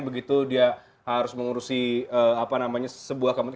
begitu dia harus mengurusi sebuah kompetisi